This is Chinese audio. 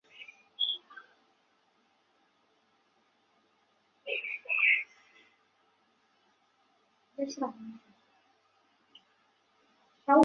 该队采用红黑相间横条队服。